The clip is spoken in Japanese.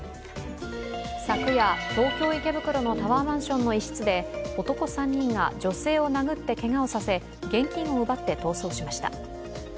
昨夜、東京・池袋のタワーマンションの一室で男３人が女性を殴ってけがをさせ現金を奪って逃走しました。